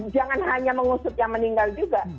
jangan hanya mengusut yang meninggal juga